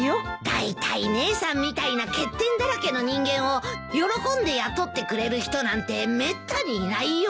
だいたい姉さんみたいな欠点だらけの人間を喜んで雇ってくれる人なんてめったにいないよ。